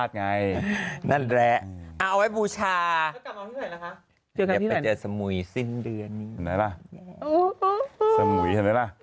สมุยเห็นไหมล่ะ